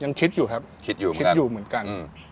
ยังคิดอยู่ครับเหมือนกัน